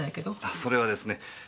それはですね